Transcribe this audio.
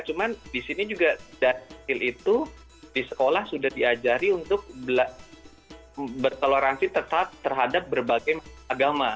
cuma di sini juga dan di sekolah sudah diajari untuk bertoleransi tetap terhadap berbagai agama